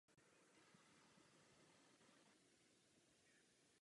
Město se nachází v údolí.